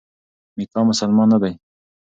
میکا مسلمان نه دی.